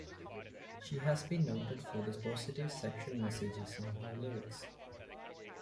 She has been noted for the positive sexual messages in her lyrics.